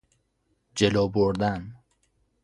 جلو بردن